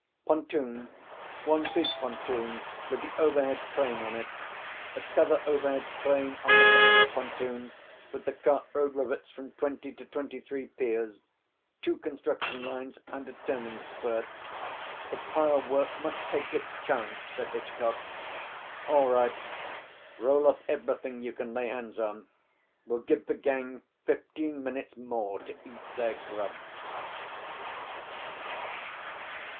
"Pontoon one big pontoon with the overhead crane on it. T'other overhead crane on the mended pontoon, with the cart road rivets from Twenty to Twenty three piers two construction lines, and a turning spur. The pilework must take its chance," said Hitchcock. "All right. Roll up everything you can lay hands on. We'll give the gang fifteen minutes more to eat their grub."